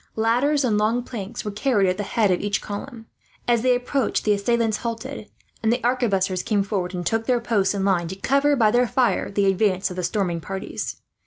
Ladders and long planks were carried at the head of each column. As they approached the assailants halted, and the arquebusiers came forward and took their post in line, to cover by their fire the advance of the storming parties.